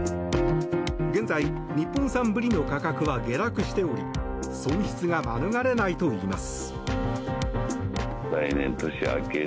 現在、日本産ブリの価格は下落しており損失が免れないといいます。